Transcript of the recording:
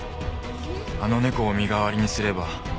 あの猫を身代わりにすれば。